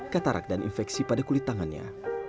katarak dan infeksi pada kulit tangannya